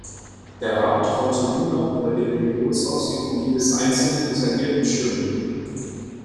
Der Rat konnte nun auch über die Religionsausübung jedes Einzelnen detailliert bestimmen.